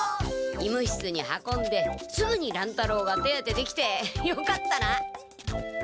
医務室に運んですぐに乱太郎が手当てできてよかったな。